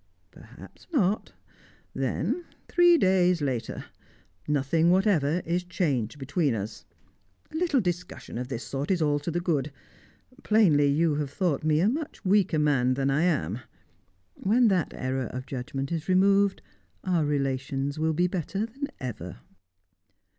"Perhaps not. Then, three days later. Nothing whatever is changed between us. A little discussion of this sort is all to the good. Plainly, you have thought me a much weaker man than I am: when that error of judgment is removed, our relations will be better than ever."